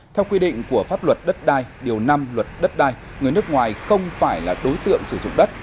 theo quy định của pháp luật đất đai điều năm luật đất đai người nước ngoài không phải là đối tượng sử dụng đất